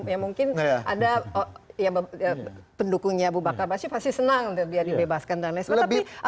ya mungkin ada pendukungnya bu bakar basyuk pasti senang untuk dia dibebaskan dan lain sebagainya